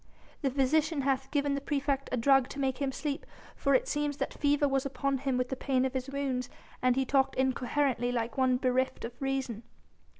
"The physician hath given the praefect a drug to make him sleep, for it seems that fever was upon him with the pain of his wounds and he talked incoherently like one bereft of reason."